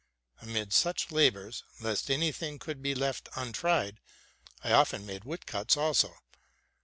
Amidst such labors, lest any thing should be left untried, I often made wood cuts also.